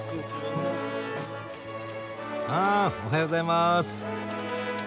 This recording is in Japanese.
あおはようございます。